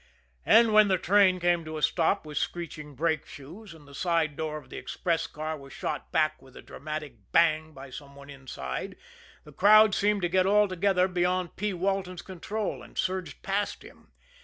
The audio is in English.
And when the train came to a stop with screeching brake shoes, and the side door of the express car was shot back with a dramatic bang by some one inside, the crowd seemed to get altogether beyond P. Walton's control, and surged past him.